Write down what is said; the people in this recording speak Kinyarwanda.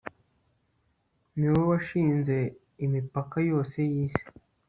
ni wowe washinze imipaka yose y'isi